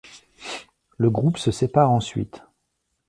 Le groupe se sépare ensuite.